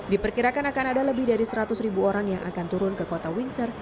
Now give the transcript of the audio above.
diperkirakan akan ada lebih dari seratus ribu orang yang akan turun ke kota windsor